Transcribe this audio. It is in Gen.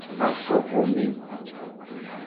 Afoxome.